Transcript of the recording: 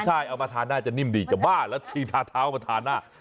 ใช่เอามาทานน่าจะนิ่มดีจะบ้าแล้วทีทาเท้ามาทานหน้า